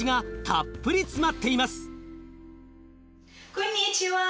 こんにちは！